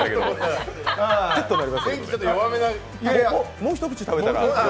もう一口食べたら。